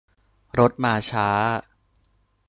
รถมาช้า